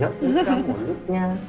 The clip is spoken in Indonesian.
gak pukul mulutnya